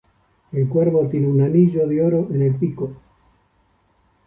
El cuervo tiene un anillo de oro en el pico.